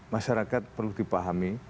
masyarakat perlu dipahami